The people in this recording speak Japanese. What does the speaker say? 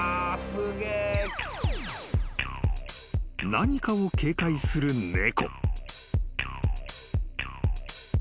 ［何かを警戒する猫］